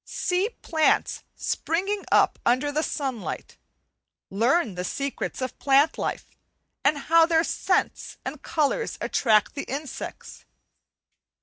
See plants springing up under the sunlight, learn the secrets of plant life, and how their scents and colours attract the insects.